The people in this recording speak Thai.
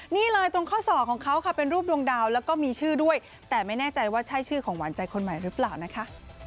นี่เลยตรงข้อศอกของเขาค่ะเป็นรูปดวงดาวแล้วก็มีชื่อด้วยแต่ไม่แน่ใจว่าใช่ชื่อของหวานใจคนใหม่หรือเปล่านะคะ